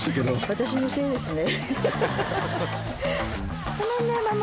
私のせいですね。